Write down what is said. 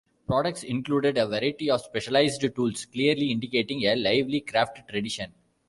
Products included a variety of specialised tools, clearly indicating a lively craft tradition.